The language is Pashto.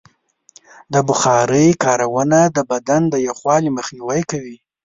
د بخارۍ کارونه د بدن د یخوالي مخنیوی کوي.